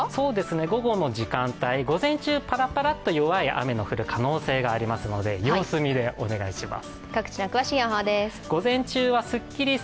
午後の時間帯、午前中、パラパラッと弱い雨が降る可能性があるので様子見でお願いします。